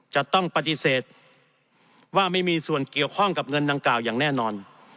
จะต้องปฏิเสธว่าไม่มีส่วนเกี่ยวข้องกับเงินดังกล่าวอย่างแน่นอน